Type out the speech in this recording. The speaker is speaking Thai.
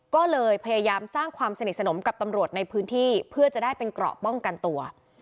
ก็เลยพยายามสร้างความสนิทสนมกับตำรวจในพื้นที่เพื่อจะได้เป็นเกราะป้องกันตัว